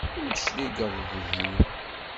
Ur d-tecligeḍ deg-i.